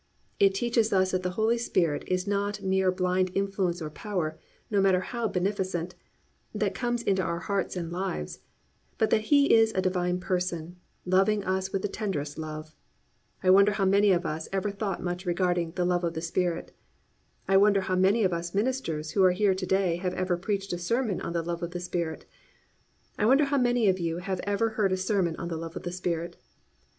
It teaches us that the Holy Spirit is not a mere blind influence or power, no matter how beneficent, that comes into our hearts and lives, but that He is a Divine Person, loving us with the tenderest love. I wonder how many of us have ever thought much regarding "the love of the Spirit." I wonder how many of us ministers who are here to day have ever preached a sermon on the love of the Spirit. I wonder how many of you have ever heard a sermon on the love of the Spirit.